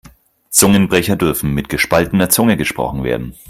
Zungenbrecher dürfen mit gespaltener Zunge gesprochen werden.